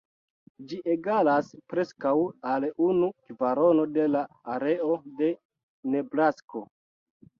Ĝi egalas preskaŭ al unu kvarono de la areo de Nebrasko.